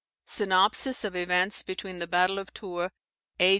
SYNOPSIS OF EVENTS BETWEEN THE BATTLE OF TOURS, A.